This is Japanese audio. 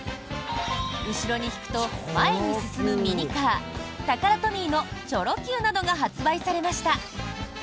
後ろに引くと前に進むミニカータカラトミーのチョロＱなどが発売されました。